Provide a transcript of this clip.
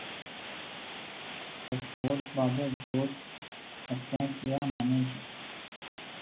The fourth brother, George, acted as their manager.